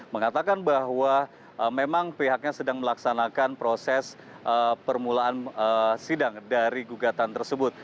mengatakan bahwa memang pihaknya sedang melaksanakan proses permulaan sidang dari gugatan tersebut